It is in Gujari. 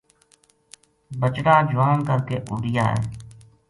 بچڑا جوان کر کے اُڈیا ہے